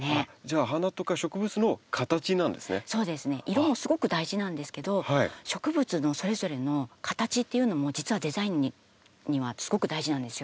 色もすごく大事なんですけど植物のそれぞれの形っていうのも実はデザインにはすごく大事なんですよ。